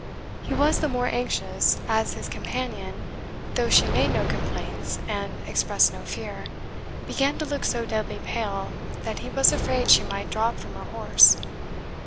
He was the more anxious, as his companion, though she made no complaints, and expressed no fear, began to look so deadly pale that he was afraid she might drop from her horse.